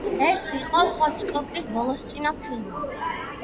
ეს იყო ჰიჩკოკის ბოლოსწინა ფილმი.